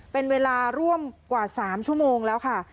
เป็นเวลาร่วมกว่า๓ชั่วโมงแล้วค่ะ